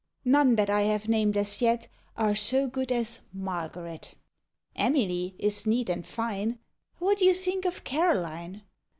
None that I have named as yet Are so good as Margaret. Emily is neat and fine; What do you think of Caroline?